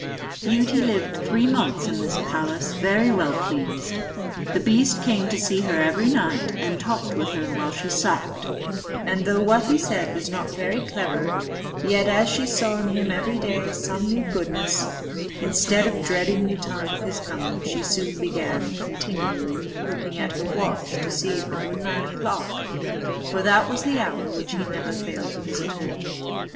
Beauty lived three months in this palace very well pleased. The beast came to see her every night, and talked with her while she supped; and though what he said was not very clever, yet, as she saw in him every day some new goodness, instead of dreading the time of his coming, she soon began continually looking at her watch, to see if it were nine o'clock; for that was the hour when he never failed to visit her.